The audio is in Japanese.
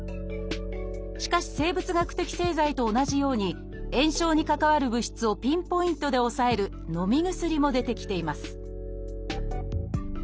しかし生物学的製剤と同じように炎症に関わる物質をピンポイントで抑えるのみ薬も出てきています